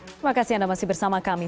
terima kasih anda masih bersama kami